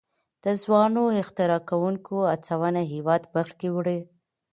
د ځوانو اختراع کوونکو هڅونه هیواد مخکې وړي.